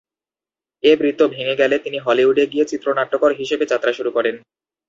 এ বৃত্ত ভেঙে গেলে তিনি হলিউডে গিয়ে চিত্রনাট্যকার হিসেবে যাত্রা শুরু করেন।